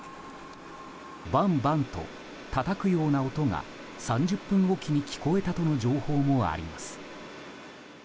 バンバンとたたくような音が３０分おきに聞こえたとの情報もあります。